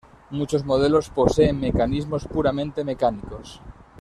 Muchos modelos poseen mecanismos puramente mecánicos.